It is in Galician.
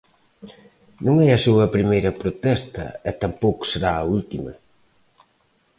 Non é a súa primeira protesta e tampouco será a última.